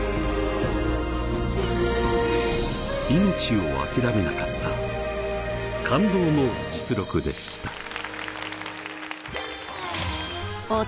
命を諦めなかった感動の実録でした。